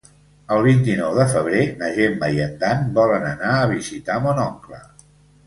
El vint-i-nou de febrer na Gemma i en Dan volen anar a visitar mon oncle.